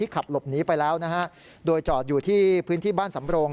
ขับหลบหนีไปแล้วนะฮะโดยจอดอยู่ที่พื้นที่บ้านสำโรง